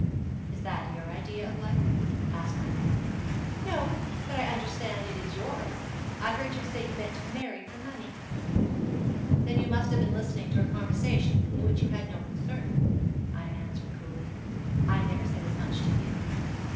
'Is that your idea of life?' asked Ida. 'No; but I understand it is yours. I heard you say you meant to marry for money.' 'Then you must have been listening to a conversation in which you had no concern,' Ida answered coolly. 'I never said as much to you.'